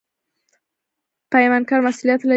پیمانکار مسوولیت لري